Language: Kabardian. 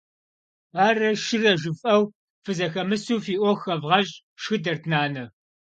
Барэ-шырэ жыфӏэу фызэхэмысу фи ӏуэху хэвгъэщӏ, - шхыдэрт нанэ.